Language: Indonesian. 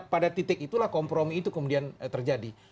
pada titik itulah kompromi itu kemudian terjadi